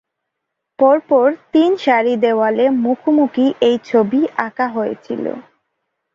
পর পর তিন সারি দেওয়ালে মুখোমুখি এই ছবি আঁকা হয়েছিল।